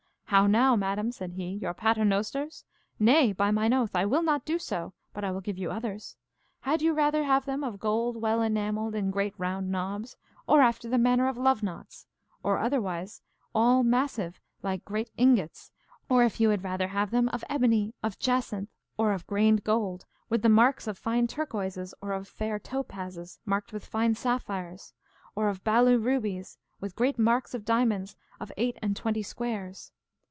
How now, madam, said he, your paternosters? Nay, by mine oath, I will not do so, but I will give you others. Had you rather have them of gold well enamelled in great round knobs, or after the manner of love knots, or, otherwise, all massive, like great ingots, or if you had rather have them of ebony, of jacinth, or of grained gold, with the marks of fine turquoises, or of fair topazes, marked with fine sapphires, or of baleu rubies, with great marks of diamonds of eight and twenty squares?